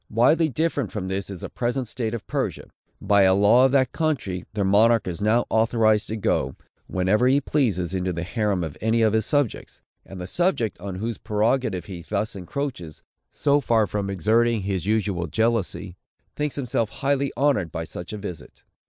Widely different from this is the present state of Persia. By a law of that country, their monarch is now authorized to go, whenever he pleases, into the harem of any of his subjects; and the subject, on whose prerogative he thus encroaches, so far from exerting his usual jealousy, thinks himself highly honored by such a visit.